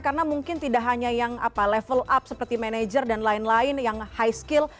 karena mungkin tidak hanya yang level up seperti manager dan lain lain yang high skill